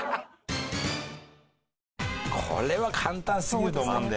これは簡単すぎると思うんだよね。